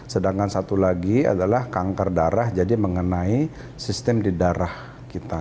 sedangkan satu lagi adalah kanker darah jadi mengenai sistem di darah kita